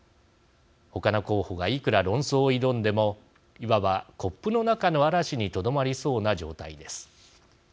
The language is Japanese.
ほかの候補がいくら論争を挑んでもいわばコップの中の嵐にとどまりそうな状態です。